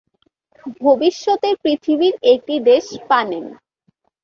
ভবিষ্যতের পৃথিবীর একটি দেশ পানেম।